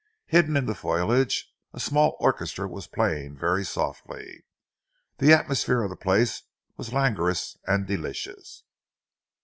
Hidden in the foliage, a small orchestra was playing very softly. The atmosphere of the place was languorous and delicious.